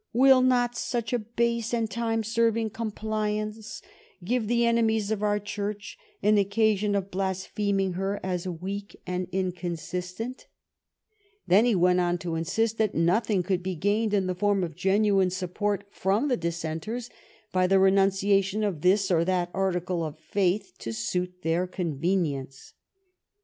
"Will not such a base and time serving compliance give the enemies of our Church an occa sion of blaspheming her as weak and inconsistent P 288 SACHEVERELL Then he went on to insist that nothing, eould he gained in form of genuine support from the Dissenters by the renunciation of this or that article of faith to suit their convenience.